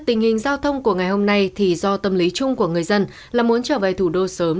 tình hình giao thông của ngày hôm nay thì do tâm lý chung của người dân là muốn trở về thủ đô sớm